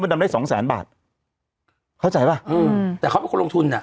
ดำได้สองแสนบาทเข้าใจป่ะอืมแต่เขาเป็นคนลงทุนอ่ะ